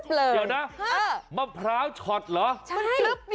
เดี๋ยวนะมะพร้าวชอดเหรอมะพร้าวชอดเหรอ